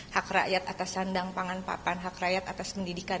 hak rakyat atas sandang pangan papan hak rakyat atas pendidikan